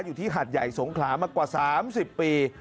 อยู่ที่หัดใหญ่สงขลามากกว่า๓๐ปี